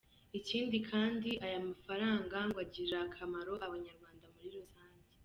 Ikindi kandi aya mafaranga ngo agirira akamaro Abanyarwanda muri rusange.